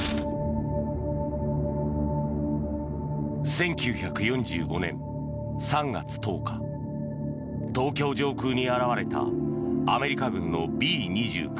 １９４５年３月１０日東京上空に現れたアメリカ軍のＢ２９